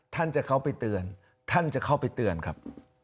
ท่านจะเข้าไปเตือนท่านจะเข้าไปเตือนครับ